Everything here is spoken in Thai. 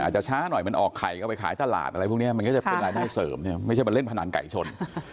ช้าหน่อยมันออกไข่ก็ไปขายตลาดอะไรพวกนี้มันก็จะเป็นรายได้เสริมเนี่ยไม่ใช่มันเล่นพนันไก่ชน